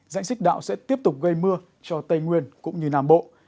dãnh xích đạo sẽ tiếp tục gây mưa cho tây nguyên cũng như nam bộ